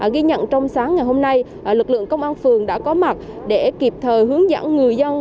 ghi nhận trong sáng ngày hôm nay lực lượng công an phường đã có mặt để kịp thời hướng dẫn người dân